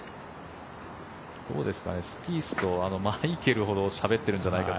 どうですかねスピースとマイケルほどしゃべっているんじゃないかと。